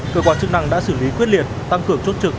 cơ quan chức năng đã xử lý quyết liệt tăng cường chốt trực